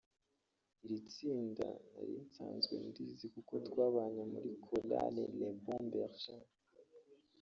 Iri tsinda nari nsanzwe ndizi kuko twabanye muri Chorale Le Bon Berger